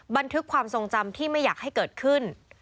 บันทึกความทรงจำที่ไม่อยากให้เกิดขึ้น